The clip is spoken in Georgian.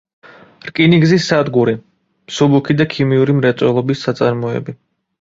რკინიგზის სადგური; მსუბუქი და ქიმიური მრეწველობის საწარმოები.